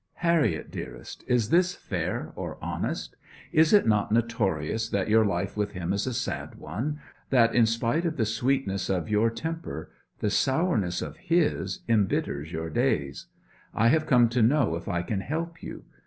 'Harriet, dearest, is this fair or honest? Is it not notorious that your life with him is a sad one that, in spite of the sweetness of your temper, the sourness of his embitters your days. I have come to know if I can help you.